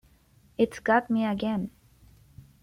It's Got Me Again!